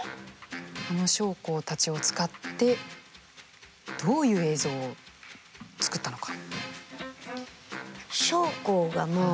あの将校たちを使ってどういう映像を作ったのか？